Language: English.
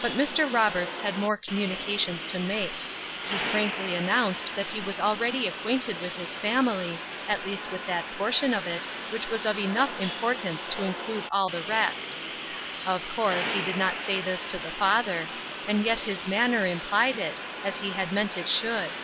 But Mr. Roberts had more communications to make; he frankly announced that he was already acquainted with his family, at least with that portion of it, which was of enough importance to include all the rest; of course, he did not say this to the father, and yet his manner implied it, as he meant it should.